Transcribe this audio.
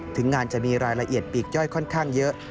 ถึงงานจะมีรายละเอียดปีกย่อยค่อนข้างเยอะ